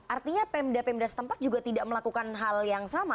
artinya pemda pemda setempat juga tidak melakukan hal yang sama